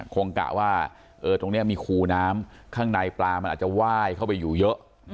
กะว่าตรงนี้มีคูน้ำข้างในปลามันอาจจะไหว้เข้าไปอยู่เยอะ